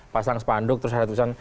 pasang spanduk terus ada tulisan